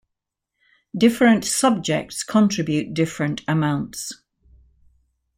Different subjects contribute different amounts.